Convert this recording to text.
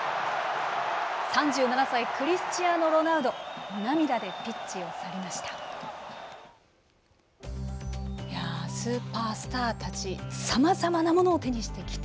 ３７歳クリスチアーノ・ロナウド涙でピッチを去りました。